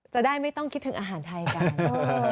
จะได้ไม่ต้องคิดถึงอาหารไทยกัน